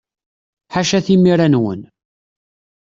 Ḥaca timira-nwen!